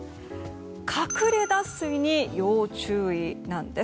かくれ脱水に要注意なんです。